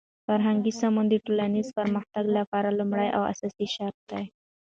فرهنګي سمون د ټولنیز پرمختګ لپاره لومړنی او اساسی شرط دی.